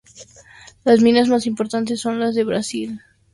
Las minas más importantes son las de Brasil: Minas Gerais, Bahía y Espíritu Santo.